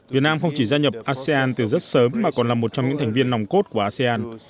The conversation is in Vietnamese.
việt nam không chỉ gia nhập asean từ rất sớm mà còn là một trong những thành viên nòng cốt của asean